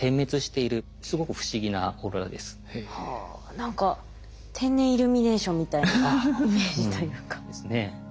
何か天然イルミネーションみたいなイメージというか。ですね。